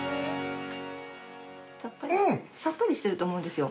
さっぱりさっぱりしてると思うんですよ。